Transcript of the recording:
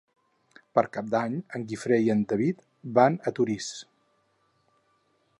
Per Cap d'Any en Guifré i en David van a Torís.